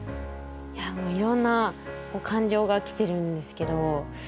もういろんな感情がきてるんですけど。